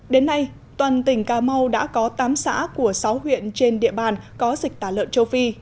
đến nay toàn tỉnh cà mau đã có tám xã của sáu huyện trên địa bàn có dịch tả lợn châu phi